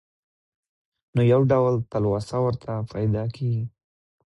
نو يو ډول تلوسه ورته پېدا کيږي.